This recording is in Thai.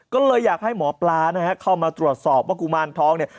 ก็เลยอยากให้หมอปลานะฮะเข้ามาตรวจสอบว่ากุมารทองเนี่ย